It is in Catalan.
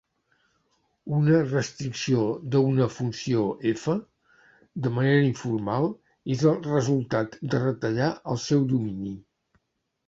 Una restricció d'una funció "f", de manera informal, és el resultat de retallar el seu domini.